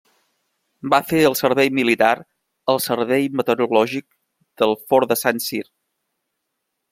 Va fer el servei militar al servei meteorològic del fort de Saint-Cyr.